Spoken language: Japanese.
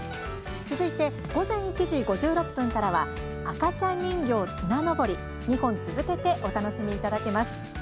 続いて、午前１時５６分からは「赤ちゃん人形綱登り」２本続けてお楽しみいただけます。